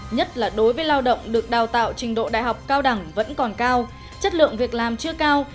nhất là đối với lao động được đào tạo trình độ đại học cao đẳng vẫn còn cao chất lượng việc làm chưa cao